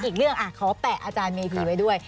อีกเรื่องขอแปะอาจารย์เมธีไว้ด้วย